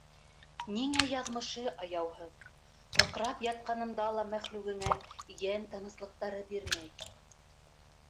Ниңә яҙмышы аяуһыҙ: һыҡрап ятҡанында ла мәхлүгеңә йән тыныслыҡтары бирмәй.